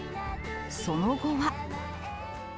その後は。